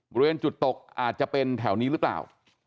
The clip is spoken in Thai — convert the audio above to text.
บริเวณจุดตกอาจจะเป็นแถวนี้หรือเปล่า